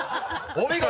お見事！